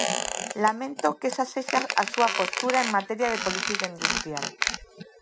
Lamento que esa sexa a súa postura en materia de política industrial.